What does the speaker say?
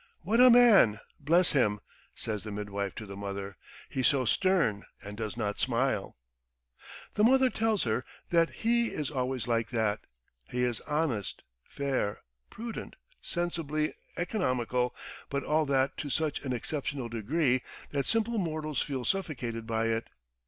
"What a man, bless him!" says the midwife to the mother. "He's so stern and does not smile." The mother tells her that he is always like that. ... He is honest, fair, prudent, sensibly economical, but all that to such an exceptional degree that simple mortals feel suffocated by it.